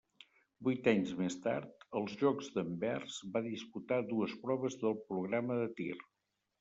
Vuit anys més tard, als Jocs d'Anvers, va disputar dues proves del programa de tir.